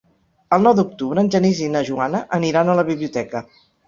El nou d'octubre en Genís i na Joana aniran a la biblioteca.